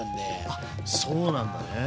あっそうなんだね。